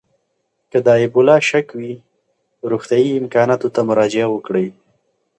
که د اېبولا شک وي، روغتیايي امکاناتو ته مراجعه وکړئ.